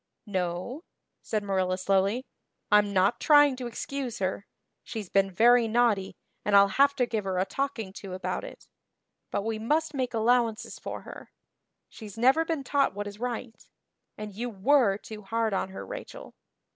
"No," said Marilla slowly, "I'm not trying to excuse her. She's been very naughty and I'll have to give her a talking to about it. But we must make allowances for her. She's never been taught what is right. And you were too hard on her, Rachel."